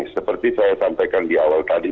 seperti saya sampaikan di awal tadi